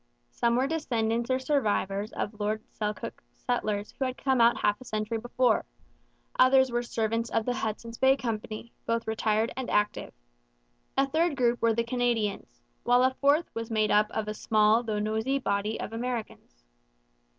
Some were descendants or survivors of Lord Selkirk's settlers who had come out half a century before; others were servants of the Hudson's Bay Company, both retired and active; a third group were the Canadians; while a fourth was made up of a small though noisy body of Americans.